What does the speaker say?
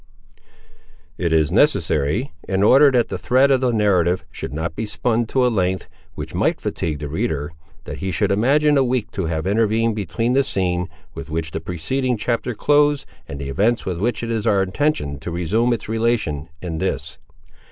It is necessary, in order that the thread of the narrative should not be spun to a length which might fatigue the reader, that he should imagine a week to have intervened between the scene with which the preceding chapter closed and the events with which it is our intention to resume its relation in this.